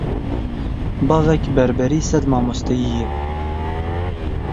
Bavek, berberî sed mamosteyî ye.